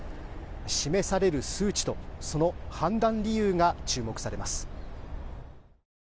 示される数値とその判断理由が注目されます。